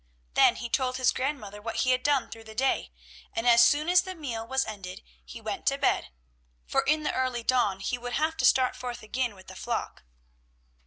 Then he told his grandmother what he had done through the day, and as soon as the meal was ended he went to bed, for in the early dawn he would have to start forth again with the flock.